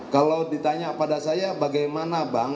kalau ditanya pada saya bagaimana bang